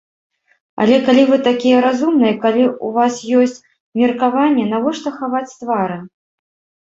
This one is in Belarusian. Але калі вы такія разумныя, калі ў вас ёсць меркаванне, навошта хаваць твары?